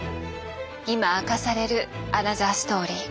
今明かされるアナザーストーリー。